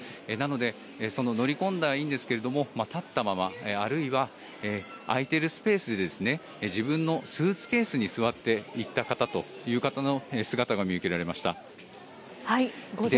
なので乗り込んだのはいいんですが立ったままあるいは空いているスペースで自分のスーツケースに座って行った方の姿も見受けられました。